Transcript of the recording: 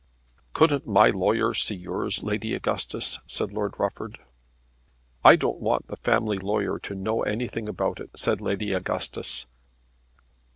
"Couldn't my lawyer see yours, Lady Augustus?" said Lord Rufford. "I don't want the family lawyer to know anything about it," said Lady Augustus.